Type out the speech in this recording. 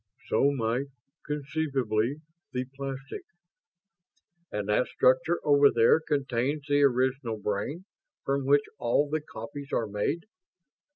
So might, conceivably, the plastic." "And that structure over there contains the original brain, from which all the copies are made."